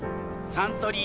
サントリー